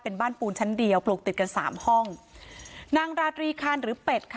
เป็นบ้านปูนชั้นเดียวปลูกติดกันสามห้องนางราตรีคานหรือเป็ดค่ะ